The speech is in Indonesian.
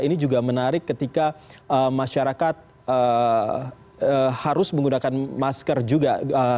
ini juga menarik ketika masyarakat harus menggunakan masker juga